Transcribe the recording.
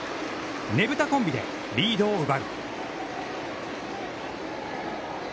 ねぶたコンビでリードを奪う。